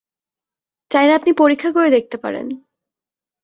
চাইলে আপনি পরীক্ষা করে দেখতে পারেন।